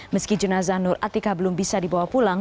meski jenazah nur atika belum bisa dibawa pulang